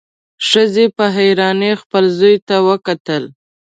ښځې په حيرانۍ خپل زوی ته وکتل.